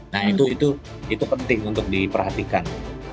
nah itu itu itu penting untuk diperhatikan